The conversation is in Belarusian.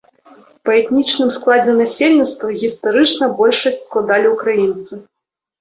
Па этнічным складзе насельніцтва гістарычна большасць складалі ўкраінцы.